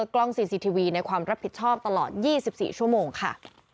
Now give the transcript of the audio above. กล้องในความรับผิดชอบตลอดยี่สิบสี่ชั่วโมงค่ะ